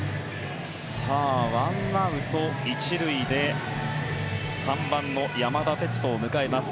１アウト１塁で３番の山田哲人を迎えます。